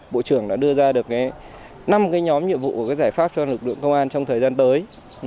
bộ trưởng đã đưa ra được năm nhóm nhiệm vụ và giải pháp cho lực lượng công an trong thời gian tới